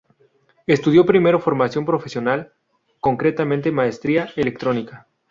Estudió primero formación profesional, concretamente maestría electrónica.